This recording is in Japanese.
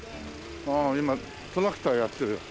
ああ今トラクターやってるよ。